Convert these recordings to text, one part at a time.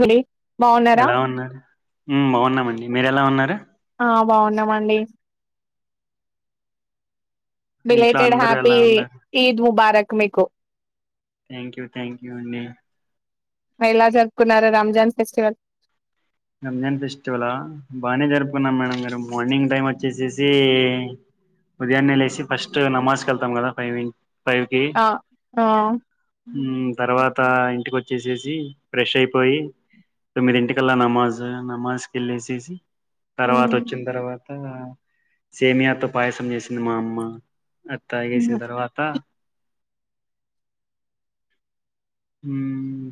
గురి ఎలా ఉన్నారు మ్ బాగున్నామండి మీరు ఎలా ఉన్నారు ఆ బాగున్నామండి ఇంట్లో రిలేటెడ్ అందరు హ్యాపీ ఎలా ఉన్నారు ఈద్ ముబార్క్ తకు మీకు థ్యాంక్ యూ థ్యాంక్ యూ అండి మైలా జరుపుకున్నారు రామ్జాన్ ఫెస్టివల్ గంజాన్ ఫెస్టివలా బాగానే జరుపుకున్నాం మేడం గారు మార్నింగ్ టైం వచ్చేసేసి, ఉదయాన్నే లేేసి ఫస్ట్ నమాజ్కి వెళ్తాం కదా ఫైవ్ ఇ ఆ ఆ మ్ తర్వాత ఇంటికి వచ్చేసేసి, ఫ్రెష్ అయిపోయి, తోమింటికల్లా నమ్మా జ నమాజ్ కిలిసేసి తర్వాత మ్మ్. వచ్చిన తర్వాత సేమియాతో పాయసం చేసింది మా అమ్మ అత్తాగేసిన తర్వాత మ్మ్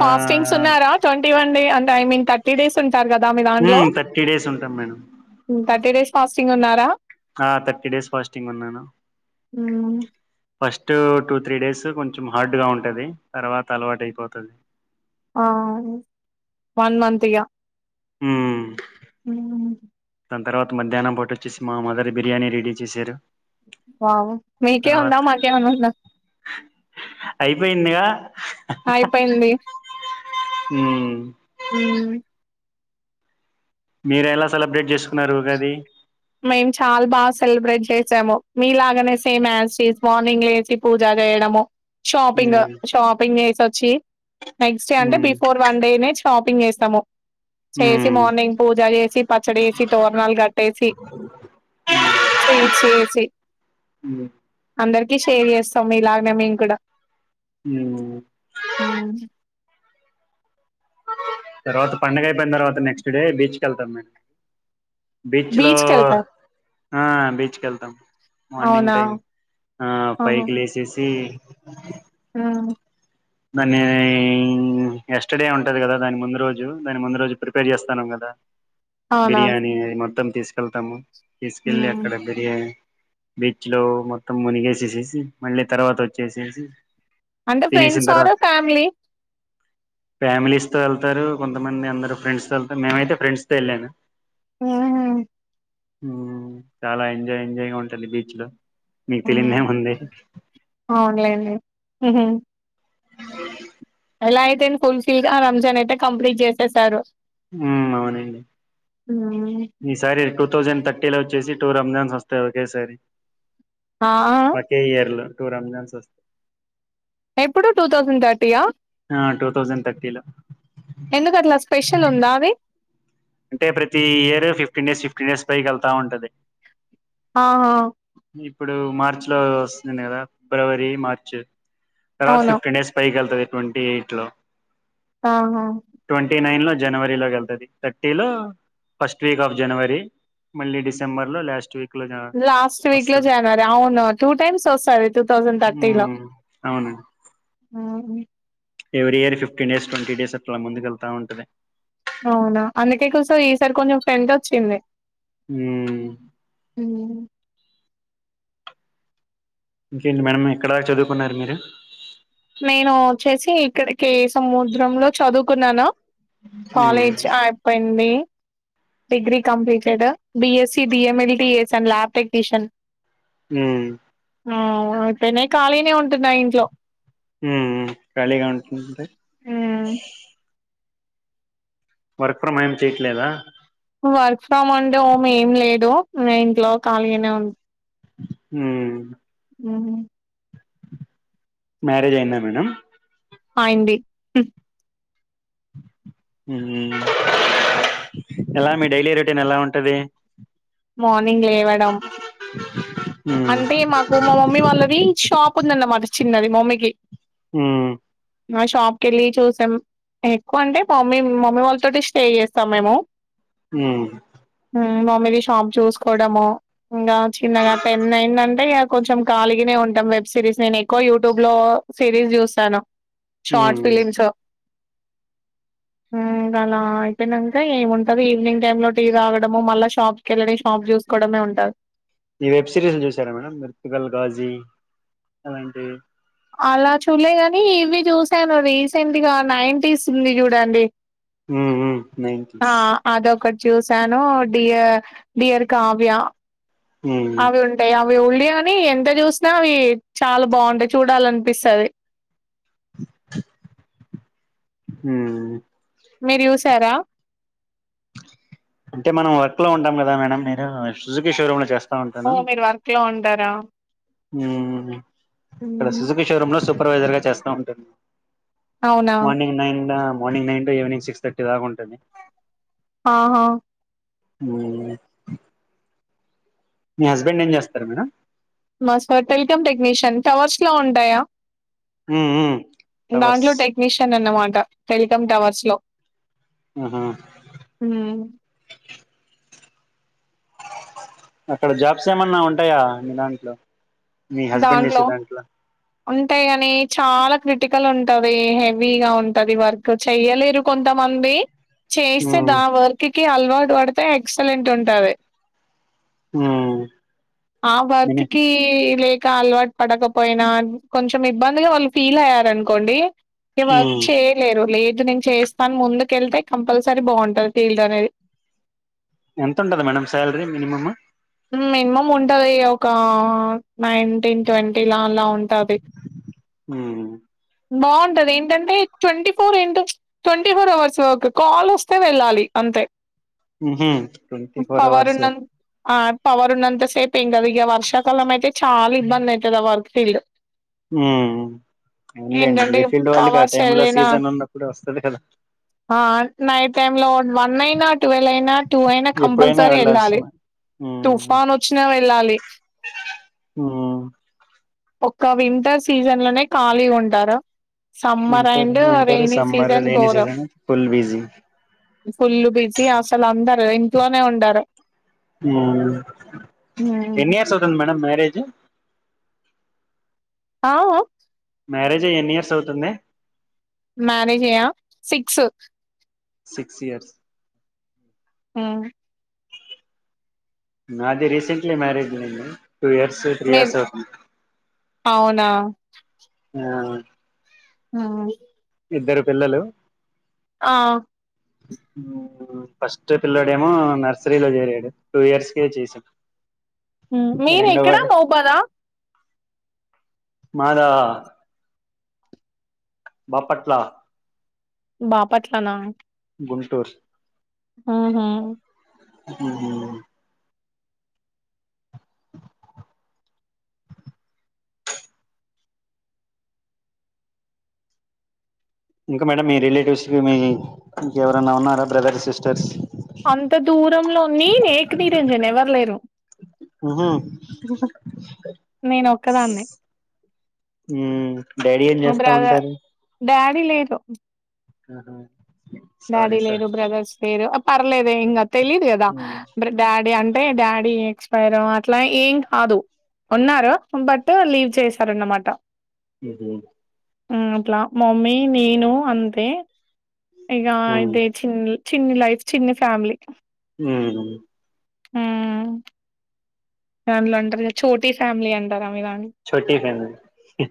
పాస్టింగ్స్ ఉన్నారా ట్వంటీ వన్ డే అన్ టైమింగ్ థర్టీ డేస్ ఉంటారు కదా ఆ మీ దాంట్లో ఉమ్, థర్టీ డేస్ ఉంటాం మేడం మ్మ్ థర్టీ డేస్ ఫాస్టింగ్ ఉన్నారా ఆ థర్టీ డేస్ ఫాస్టింగ్ ఉన్నాను మ్మ్. ఫస్ట్ టూ త్రీ డేస్ కొంచెం హార్డ్ గా ఉంటది తర్వాత అలవాటు అయిపోతది ఆ అవును వన్ మంత్ ఇగ మ్మ్ మ్మ్ దాని తర్వాత మధ్యాహ్నం పాటు వచ్చేసి మా మదర్ బిర్యానీ రెడీ చేశారు వా మీక ఉన్నా తర్వాత మాక్ ఏం అయినా ఉందా ఉన్నాయా అయిపోయింది ఉమ్ మీర ఎలా సెలబ్రేట్ చేసుకున్నారు ఉగాది మేము చాలా బాగా సెలబ్రేట్ చేసాము మీ లాగనే సేమ్ యాస్టీస్ మార్నింగ్ వేసి పూజా చేయడము షాపింగ్ ఉమ్ షాపింగ్ చేసి వచ్చి నెక్స్ట్ డే అంటే ఉమ్ బిఫోర్ వన్ డే న షాపింగ్ చేస్తాము చేసి ఉమ్ మార్నింగ్ పూజ చేసి పచ్చడి వేసి తోరణాలు కట్టేసి స్వీట్ వేసి ఉమ్ అందరికి షేర్ చేస్తాము ఇలాగ మ మం కూడా మ్మ్ తరువాత పండుగ అయి తర్వాత నెక్స్ట్ డే బీచ్ చ్ కి వెళ్తాం మే బీచ్ లో ఆ బీచ్కి వెళ్తాం మార్నింగ్ అవునా టైమ్ ఆ పైకి లేచేసి అ మ్మ్ దాన్ని ఎస్టర్డే ఉంటది కదా దాని ముందు రోజు దాని ముందు రోజు ప్రిపేర్ చేస్తాన్నాం కదా అవునా బిర్యాని మొత్తం తీసుకెళ్తాము తీసుకెళ్ళి ఉమ్ అక్కడ బిర్యానీ బీచ్ లో మొత్తం మునిగేసేసేసి మళ్ళీ తర్వాత వచ్చేసేసి అంటే తినేసిన ఫ్రెండ్స్ సర తర్వాత ఫమ్లీ ఫ్యామిలీస్ తో వెళ్తారు కొంతమంది అందరు ఫ్రెండ్స్ త వెళ్తారు మేమైతే ఫ్రెండ్స్ తో వెళ్ళాను మ్మ్ హ్మ్ మ్మ్ చాలా ఎంజాయ్ ఎంజాయ్ గా ఉంటుంది బీచ్ లో మీకు ఆ తెలియదేముంది అవును లెండి మ్మ్ హ్మ్ అ ఎలా అయితే ఫుల్ ఫిల్ గా రంజాన్ అయితే కంప్లీట్ చేసేసారు మ్మ్ అవునండి ఈ సారి ఇక థౌజండ్ థర్టీ లో వచ్చేసి టూ రంజాన్స్ వస్తాయి ఒకేసారి ఆ ఆ ఒకే ఇయర్లో టూ రంజాన్స్ వస్త ఎప్పుడు టూ థౌసండ్ థర్టీయా ఆ టూ తౌసండ్ థర్టీ లో ఎందుకు అట్లా స్పెషల్ ఉందా అవి అంటే ప్రతి year fifteen days fifteen days పైకి వెళ్తా ఉంటది ఆహా ఇప్పుడు మార్చి లో వస్తుంది కదా ఫిబ్రవరి, మార్చ్ లాస్ట్ అవును ఫిఫ్టీన్ డేస్ పైకెళ్తది ట్వంటీ ఎయిట్ లో ఆహా ట్వంటీ నైన్ లో జనవరిలోగ ఎళ్తది థర్టీ లో ఫస్ట్ వీక్ ఆఫ్ జనవరి మళ్ళీ డిసెంబర్ లో లాస్ట్ వీక్ లో లాస్ట్ వీక్ లో వస్తది జనవరి అవును టూ టైమ్స్ వస్తది టూ థౌసండ్ థర్టీ లో మ్మ్ అవును మ్మ్ every year fifteen days, twenty days అట్ల ముందుకు వెళ్తా ఉంటది అవునా అందుకే కూసరీ ఈసారి కొంచెం ఫ్రెంట్ వచ్చింది హ్మ్మ్ మ్మ్ ఇంకేంటి మేడం ఎక్కడా చదువుకున్నారు మీరు నేనూ వచ్చేసీ ఇక్కడే కే ఏ సముద్రంలో చదువుకున్నాను మ్మ్ కాలేజ్ అయిపోయింది degree completed B SC, D A మనీ B. A sir lab technician మ్మ్ ఆ అవైయిపోయినాయి ఖాళీనే ఉంటున్నా ఇంట్లో మ్మ్ మ్మ్ ఖాళీగా ఉంటుంద మ్మ్ వర్క్ ఫ్రమ్ ఏం చేయట్లేదా వర్క్ ఫ్రమ్ అండ్ హోమ్ ఏం లేదు న ఇంట్లో ఖాళీగానే ఉం హ్మ్ మ్మ్ మ్యారేజ్ అయింద మేడం అయింది ఎలా మీ డైలీ రొటీన్ ఎలా ఉంటది మార్నింగ్ లేవడం ఉమ్ అంటే మాకు మా మమ్మీ వాళ్ళది షాప్ ఉందన్నమాట చిన్నది మమ్మకి మ్మ్ మా షాప్కివెళ్ళి చూసాం ఎక్కువ అంటే మమ్మీ మమ్మీ వాళ్ళతోటి స్టే చేస్తాం మేము మ్మ్ మ్మ్ మమ్మీ తీస్ షాప్ చూసుకోడము ఇంగా చిన్నగా పెన్ అయిందంటే ఇగ కొంచెం కాలిగనే ఉంటాం వెబ్ సిరీస్ నేను ఎక్కువ యూట్యూబ్ లో సిరీస్ చూస్తాను ఉమ్ షార్ట్ ఫిలిమ్స్ మ్మ్ ఇంగ అలా అయిపోయినాంక ఏముంటది ఈవినింగ్ టైమ్ లో టీ తాగడము మళ్ళా షాప్ కెళ్ళని షాప్ చూసుకోవడమే ఉంట ఈ వెబ్ సిరీస్ లో చూసారా మేడం మెర్తుకల్ గాజీ అలాంటివి అలా చూల్లే కానీ ఇవి చూసాను రీసెంట్ గా నైంటీస్ ఉంది చూడండి మ్మ్ మ్మ్ నైంటీస్ చూసానో డియ డియర్ కావ్య ఉమ్ అవి ఉంటాయి య వి ఉల్డి అని ఎంత చూసినా అవి చాలా బాగుంటాయి చూడాలనిపిస్తది మ్మ్ మీరు చూసారా అంటే మనం వర్క్ లో ఉంటాం కదా మేడం మీరు సుజుకీ షోరూమ్ లో చేస్ ఓ మీరు వర్క్ లో ఉండ్ టార మ్మ్ క్కడ సుజుకి షోరూమ్ లో సుప్ పర్వైజర్ గా చేస్త ఉంటాను అవునా మార్నింగ్ నైన్ దాన morning nine to evening six thirty దాకా ఉన్ ఆహా మ్మ్ మీ హస్బెండ్ ఏం చేస్తారు మేడం మా సార్ టెల్కమ్ టెక్నీషియన్ టవర్స్ లొ ఉంటాయా ఉమ్ ఉమ్ టవర్స్ దాంలో టెక్నీషియన్ అన్న మాట టెల్కమ్ టవర్స్ లో ఆహా హుమ్ అక్కడ జాబ్స్ ఏమన్నా ఉంటాయా మీ దాంట్లో మీ హస్బెండ్ దాంట్లో చేసే ఉంటాయి గాని చాలా క్రిటికల్ ఉంటది హెవీగా ఉంటది వర్క్ చెయ్యలేరు కొంతమంది చెస్తే ఉమ్ దా వర్క్ కీ అల్ అలవాటు పడితే ఎక్సలెంట్ ఉంటది ఉమ్ ఆ వర్క్ మిని కీ లే ఇంకా అలవాటు పడకపోయినా కొంచెం ఇబ్బందిగా వాళ్ళు ఫీల్ అయ్యారనుకోండి ఇక వర్క్ ఉమ్ చేయలేరు లేట్ నేను చేస్తాను ముందుకెళ్తే కంపల్సరీ బాగుంటది ఫీల్డ్ అనేది ఎంతుంటది మేడం సాలరీ మినిమమ్ మినిమం ఉంటది ఒక నైన్టీన్ ట్వంటీ లా అలా ఉన్ హుమ్ బాగుంటది ఏంటంటే twenty four into twenty four hours work call వస్తే వెళ్ళాలి అంతే హ్మ్ హు ట్వంటీ ఫోర్ పవర్ అవర్స్ ఉన్నం ఆ టవర్ ఉన్నంతసేప్ ఏం కాదు వర్షాకాలం అయితే చాలా ఇబ్బంది అయితది ఆ వర్క్ తీళ్ళు మ్మ్ ఏంలేండి ఏంటంటే ఏ ఫీల్డ్ వాళ్ళకి ఆ పవర్స్ టైమ్ లో ఎళ్ళినా సీజన్ ఉన్నప్పుడే వస్తది కదా ఆ నైట్ టైమ్ లో వన్ అయినా ట్వెల్వ్ అయినా టూ అయినా ఎప్పుడైనా కంపల్సరీ వెళ్ళాలి వెళ్లాల్సిన తుఫాన్ వచ్చినా వెళ్ళాలి మ్మ్ ఒక వింటర్ సీజన్ లోనే ఖాళీ ఉంటారు summer winter and winter rainy summer season rainy ఘోరం season full busy full busy అసలు అందరు ఇంట్లోనే ఉండారె మ్మ్ హ్మ్. ఎన్ని ఇయర్స్ అవుతుంది మేడం మ్యారేజ్ ఆ ఆ మ్యారేజ్ అయి ఎన్ని ఇయర్స్ అవుతుంది మ్యారేజ్ అయ్య సిక్స్ సిక్స్ ఇయర్స్ మ్మ్ నాది రిసెంట్లీ మ్యారేజ్ అయింది madam two years three years అవుతుంది అ అవున్ ఆ ఇద్దరు పిల్లలు ఔ ఫస్ట్ పిల్లోడేమో నర్సరీలో చేరాడు టూ ఇయర్స్ కే చేసాం ఊ మీరు ఎక్కడ రెండోవాడు మొవ్ బాద్ ఆ మాదా బాపట్ల బాపట్ల నా టూర్స్ ఆహా [inaudible] ఇంకా మేడం మీ రిలేటివ్స్ కి మీ ఇంక ఎవరన్నా ఉన్నారా బ్రదర్స్ అంత దూరంలో నేనే ఏక్ నీరేంజన్ ఎవరు లేరు ఆహా నేను ఒక్కదాన్నే హు డాడీ ఏం చేస్తా ఉంటారు. డాడీ లేరు ఆహా సారీ డాడీ లేరు సారీ బ్రదర్స్ లేరు పర్లేదు ఇంకా తెలిదు కదా డాడీ అంటే అంటే డాడీ ఎక్స్పైర్ అట్లా ఏం కాదు ఉన్నారు బట్ లీవ్ చేశార అన్నమాట ఉహు అట్లా మమ్మీ నేను అంతే ఇగ ఉహు అయితే సింగిల్ చిన్ని లైఫ్, చిన్ని ఫ్యామిలీ ఆ ఆ [unintelligible] ఛోటీ ఫ్యామలీ అంటారా మీ దాంట్లో చోటి ఫ్యామిలీ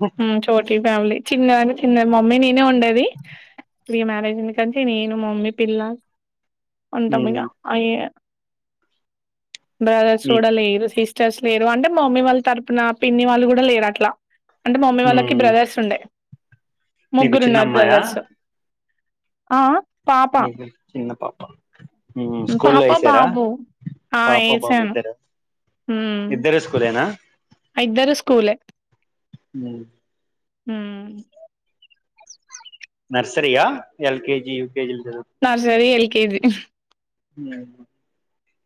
హాహా హ్మ్ చోటీ ఫ్యామిలీ చిన్నద చిన్న మమ్మీ నేనే ఉందిది ప్రీ మ్యారేజ్ క నేను మమ్మీ పిల్ల ఉంటాం ఉహు ఇగా హాయిగా బ్రదర్స్ కూడా మీకు లేరు సిస్టర్స్ లేరు అంటే మమ్మీ వాళ్ళ తరపున పిన్ని వాళ్ళు కూడా లేరు అట్లా అంటే మమ్మీ వాళ్ళకి ఉహు బ్రదర్స్ ఉండే మీకు చిన్న ముగ్గురున్నారు అమ్మాయా బ్రదర్స్ ఆ పాప చిన్న పాప స్కూల్ పాప వయిసారా బాబు పాప బాబు ఏసాను ఇద్దరు ఆ నా ఇద్దరు స్కూలే హు హు నర్సరియా ఎల్కెజి నర్సరీ యెల్కేజి కేజీ ఆ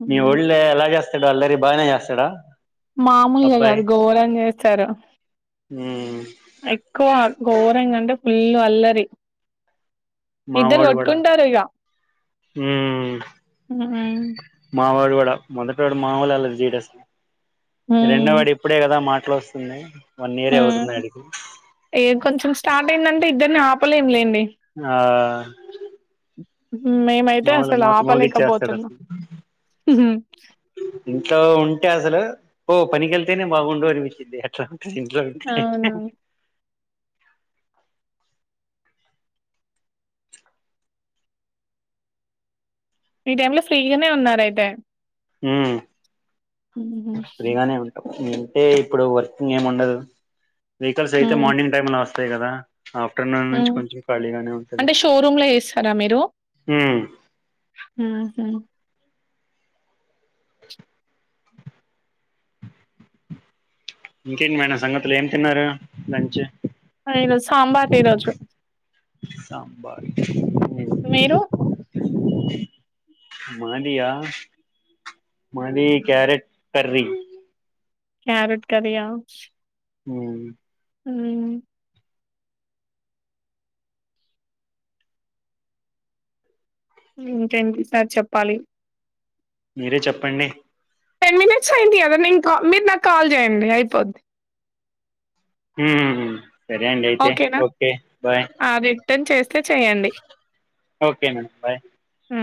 మీ ఊళ్ళో ఎలా చేస్తారు అల్లరి బాగానే చేస్తాడా మామూలుగా అబ్బాయి కాదు ఘోరం చేస్తారు. ఉమ్ ఎక్కువ ఘోరం గంటే ఫుల్ అల్లరి ఇద్దరు మావడు కూడా కొట్టుకుంటారు ఇగ హ్మ్ హ్మ్ మావడు మొదటోడు మామూలు అల్లరి చెయ్యడు అస్సలు రెండో వాడు ఇప్పుడే కదా మాట్ ఎట్లా వస్తున్నాయ్ వన్ ఇయర్ హ్మ్ అవుతుంది. అడికి ఏ కొంచెం స్టార్ట్ అయిందంటే ఇద్దరిని ఆపలేం లేండి. ఆ మేమైతే మాములు అసలు మూత మూగచ్చేస్తాడు ఆపలేకపోతున్నాం అసలు ఇంట్లో ఉంటే అసలు ఓ పనికిెళ్తేనే బాగుండు అనిపించింది. అట్లా ఇంట్లో ఉంటే అవునా ఈ టైమ్ లో ఫ్రీగానే ఉన్నారు. అయితే హ్మ్ ఉ హ్మ్ అంటే ఇప్పుడు వర్కింగ్ ఏమి ఉండదు. వెహికల్స్యితే మార్నింగ్ టైమ్ లో వస్త్ అంతే కదా ఆఫ్టర్నూన్ నుంచి హ్మ్ కొంచెం ఖాళీగానే ఉంటది అంటే షోరూమ్ లో చేస్తారా మీరు ఉమ్ ఊ ఊ ఇంకేంటి మేడం సంగతులు ఏం తిన్నారు. లంచ్ ఆ ఈ సాంబార్ ఈరోజు కూలర్ మీరు మాదియా మాది క్యారెట్ కర్రీ క్యారెట్ కర్రీ ఆ హ్మ్ హ్మ్ ఇకేంటి సార్ చెప్పాలి. మీరే చెప్పండి. టెన్ మినిట్స్ అయింది. కదా నేన్ కాల్ మీరు నాకు కాల్ చేయండి. అయిపోద్ది ఊ హ్మ్ సరే అండి. అయితే ఓకేనా ఓకే బాయ్ తే చెయ్యండి ఓకే మేడం బాయ్ ఊ